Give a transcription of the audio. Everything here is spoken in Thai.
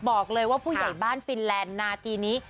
บอกเลยว่าผู้ใหญ่บ้านฟินแลนด์นาทีนี้